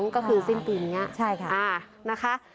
๒๐๒๒ก็คือซิ่มปีนี้ใช่ค่ะอ่านะคะ